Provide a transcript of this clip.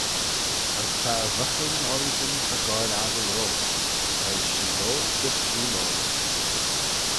As ta e vyghin orroosyn ta goaill aggle roish, veih sheeloghe gys sheeloghe.